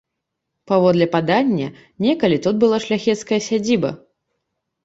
Паводле падання, некалі тут была шляхецкая сядзіба.